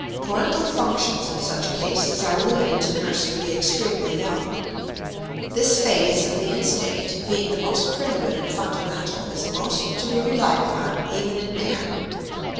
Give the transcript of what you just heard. Parental functions in such cases are limited to nursing the extremely young. This phase of the instinct, being the most primitive and fundamental, is most to be relied upon even in man.